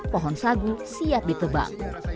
pohon sagu siap ditebak